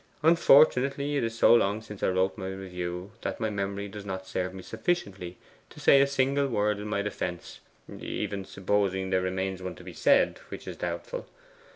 Unfortunately, it is so long since I wrote my review, that my memory does not serve me sufficiently to say a single word in my defence, even supposing there remains one to be said, which is doubtful.